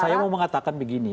saya mau mengatakan begini